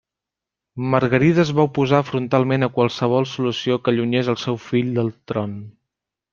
Margarida es va oposar frontalment a qualsevol solució que allunyés el seu fill del tron.